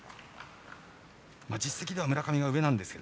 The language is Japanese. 実績では村上が上ですが。